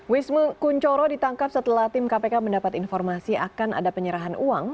wisma kunchoro ditangkap setelah tim kpk mendapat informasi akan ada penyerahan uang